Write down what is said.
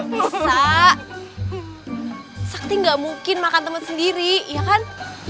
bisa sakti gak mungkin makan temen sendiri iya kan